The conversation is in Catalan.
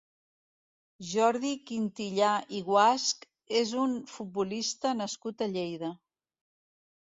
Jordi Quintillà i Guasch és un futbolista nascut a Lleida.